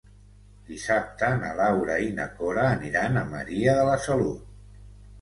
Dissabte na Laura i na Cora aniran a Maria de la Salut.